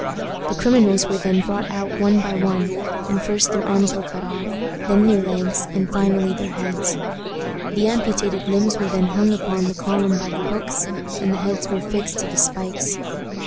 The criminals were then brought out one by one, and first their arms were cut off, then their legs, and finally their heads. The amputated limbs were then hung up upon the column by the hooks, and the heads were fixed to the spikes.